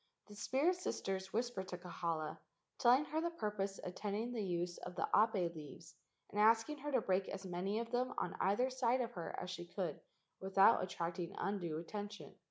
The spirit sisters whispered to Kahala, telling her the purpose attending the use of the ape leaves and asking her to break as many of them on either side of her as she could without at¬ tracting undue attention.